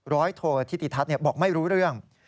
ร้อยโทธิติทัศน์บอกไม่รู้เรื่อง